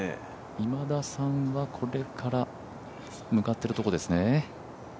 今田さんは向かっているところですね。